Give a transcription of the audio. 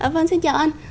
vâng xin chào anh